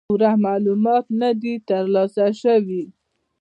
پوره معلومات نۀ دي تر لاسه شوي